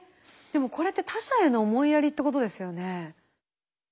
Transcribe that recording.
でもこれって他者への思いやりってことですよね。